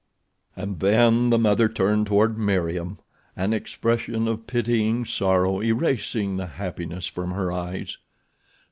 And then the mother turned toward Meriem, an expression of pitying sorrow erasing the happiness from her eyes.